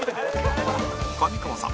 上川さん